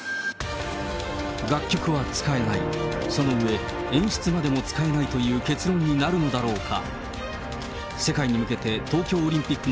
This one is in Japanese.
楽曲は使えない、そのうえ、演出までも使えないという結論になるのだろうか。